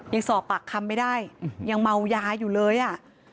ยังสอบปากคำไม่ได้ยังเมายาอยู่เลยอ่ะ